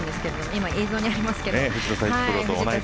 今、映像にありますけど。